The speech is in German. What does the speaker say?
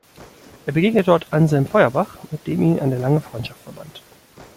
Er begegnete dort Anselm Feuerbach, mit dem ihn eine lange Freundschaft verband.